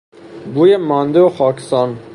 بوی مانده و خاکسان